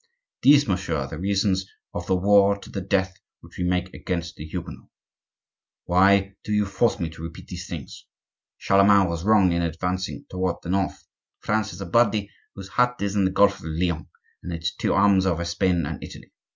These, monsieur, are the reasons of the war to the death which we make against the Huguenots. Why do you force me to repeat these things? Charlemagne was wrong in advancing toward the north. France is a body whose heart is on the Gulf of Lyons, and its two arms over Spain and Italy.